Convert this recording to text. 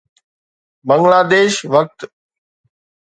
بنگلاديش وقت